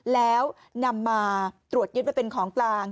แล้วนำมาตรวจยึดไว้เป็นของกลาง